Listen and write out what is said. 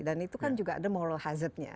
dan itu kan juga ada moral hazardnya